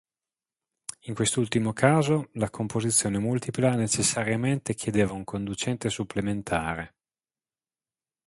In quest'ultimo caso, la composizione multipla necessariamente chiedeva un conducente supplementare.